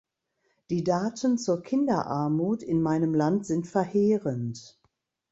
Die Daten zur Kinderarmut in meinem Land sind verheerend.